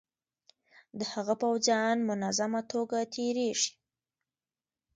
د هغه پوځیان منظمه توګه تیریږي.